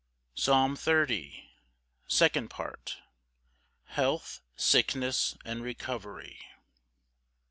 Psalm 30:2. 6. Second Part. Health, sickness, and recovery.